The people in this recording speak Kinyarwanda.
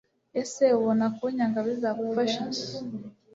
ese ubona kunyanga bizagufasha iki